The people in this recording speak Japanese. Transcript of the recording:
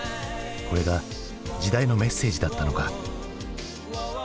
これが時代のメッセージだったのか。